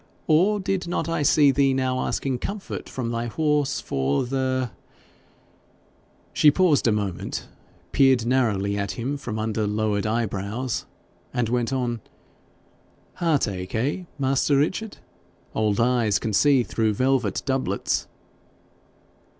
Or did not I see thee now asking comfort from thy horse for the ' She paused a moment, peered narrowly at him from under lowered eyebrows, and went on: ' heartache, eh, master Richard? Old eyes can see through velvet doublets.'